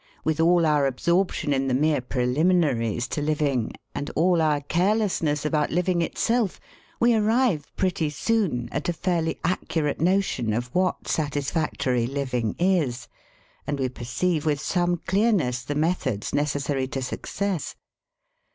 With all our absorption in the mere preliminaries to living, and all our carelessness about living itself, we arrive pretty soon at a fairly accurate notion of what satisfactory living is, and we perceive with some clearness the methods necessary to success.